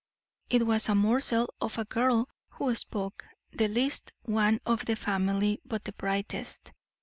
It was a morsel of a girl who spoke; the least one of the family, but the brightest.